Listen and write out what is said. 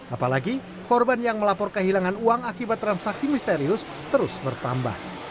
apalagi korban yang melapor kehilangan uang akibat transaksi misterius terus bertambah